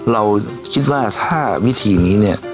เราคิดว่าถ้าวิธีนี้